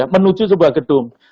menuju sebuah gedung